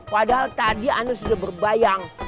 padahal tadi anda sudah berbayang